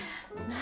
何？